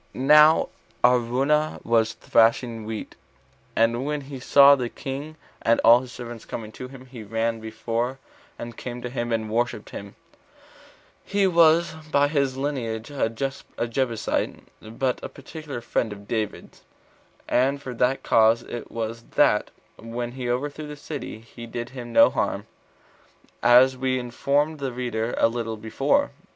Now Araunah was thrashing wheat; and when he saw the king and all his servants coming to him, he ran before, and came to him and worshipped him: he was by his lineage a Jebusite, but a particular friend of David's; and for that cause it was that, when he overthrew the city, he did him no harm, as we informed the reader a little before.